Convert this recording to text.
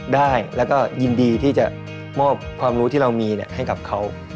ได้แล้วก็ยินดีที่จะมอบความรู้ที่เรามีให้กับเขา